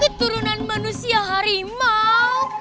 keturunan manusia harimau